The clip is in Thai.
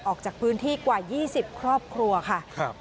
ออกจากพื้นที่กว่า๒๐ครอบครัวค่ะ